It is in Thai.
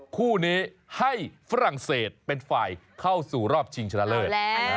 คู่นี้ให้ฝรั่งเศสเป็นฝ่ายเข้าสู่รอบชิงชนะเลิศ